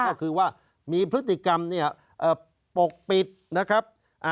ก็คือว่ามีพฤติกรรมเนี่ยปกปิดนะครับ